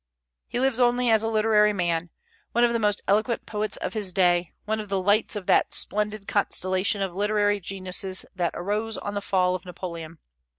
He lives only as a literary man, one of the most eloquent poets of his day, one of the lights of that splendid constellation of literary geniuses that arose on the fall of Napoleon.